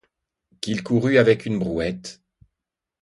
Qu'il courût avec une brouette !